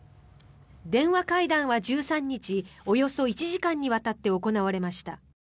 電話会談は１３日およそ１時間にわたって行われました。